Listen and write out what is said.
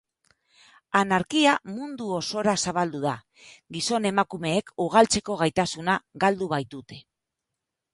Anarkia mundu osora zabaldu da, gizon-emakumeek ugaltzeko gaitasuna galdu baitute.